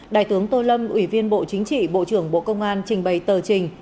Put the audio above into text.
đại tướng tô lâm ủy viên bộ chính trị bộ trưởng bộ công an trình bày tờ trình